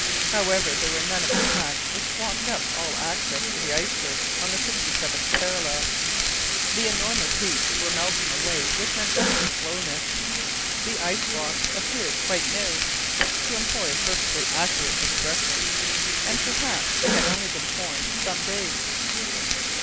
However, there were none of the packs which blocked up all access to the iceberg on the 67th parallel. The enormous heaps were melting away with majestic slowness. The ice blocks appeared "quite new" (to employ a perfectly accurate expression), and perhaps they had only been formed some days.